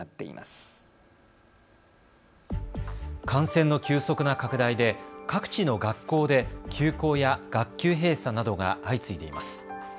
感染の急速な拡大で各地の学校で休校や学級閉鎖などが相次いでいます。